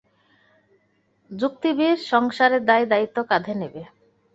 যুক্তি বীর সংসারের দায়-দায়িত্ব কাঁধে নেবে।